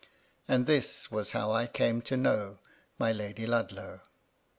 And this was how I came to know my Lady Ludlow.